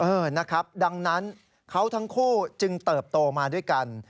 เออนะครับดังนั้นเขาทั้งคู่จึงเติบโตมาด้วยกัน